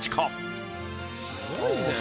すごいね。